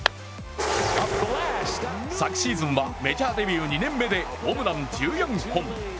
昨シーズンはメジャーデビュー２年目でホームラン１４本。